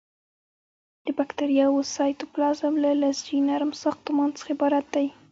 د باکتریاوو سایتوپلازم له لزجي نرم ساختمان څخه عبارت دی.